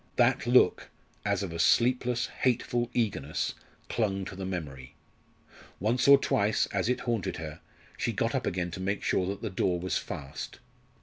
That look, as of a sleepless, hateful eagerness, clung to the memory. Once or twice, as it haunted her, she got up again to make sure that the door was fast.